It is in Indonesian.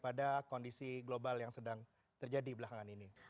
ini adalah kondisi global yang sedang terjadi belakangan ini